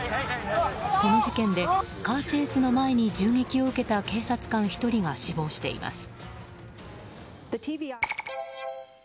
この事件でカーチェイスの前に銃撃を受けた警察官１人が死亡しています。